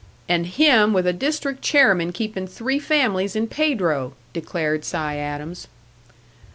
"And him with a district chairman keeping three families in Pedro!" declared Si Adams.